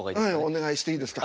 お願いしていいですか？